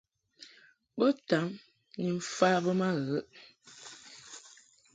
Bo tam ni mfa be ma ghəghəʼ.